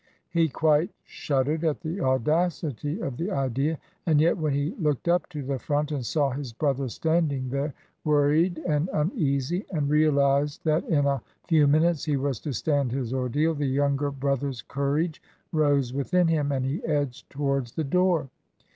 He quite shuddered at the audacity of the idea; and yet, when he looked up to the front and saw his brother standing there, worried and uneasy, and realised that in a few minutes he was to stand his ordeal, the younger brother's courage rose within him, and he edged towards the door.